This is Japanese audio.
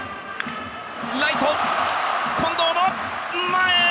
ライト、近藤の前！